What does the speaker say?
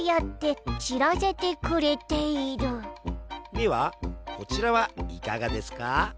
ではこちらはいかがですか？